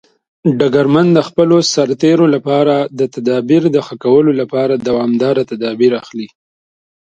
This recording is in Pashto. ډګرمن د خپلو سرتیرو لپاره د تدابیر د ښه کولو لپاره دوامداره تدابیر اخلي.